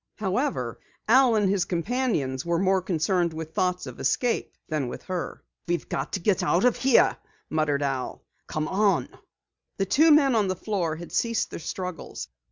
However, Al and his companions were more concerned with thoughts of escape than with her. "We've got to get out of here," muttered Al. "Come on!" The two men on the floor had ceased their struggles.